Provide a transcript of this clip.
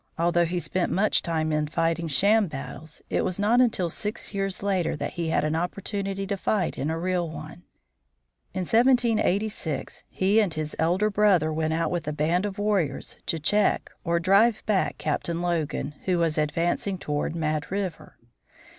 Although he spent much time in fighting sham battles, it was not until six years later that he had an opportunity to fight in a real one. In 1786 he and his elder brother went out with a band of warriors to check or drive back Captain Logan, who was advancing toward Mad River.